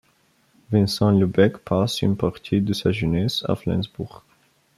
Vincent Lubeck passe une partie de sa jeunesse à Flensbourg.